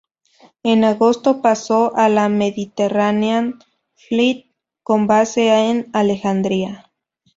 En agosto pasó a la Mediterranean Fleet, con base en Alejandría.